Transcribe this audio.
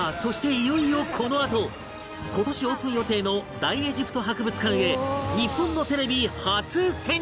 いよいよこのあと今年オープン予定の大エジプト博物館へ日本のテレビ初潜入！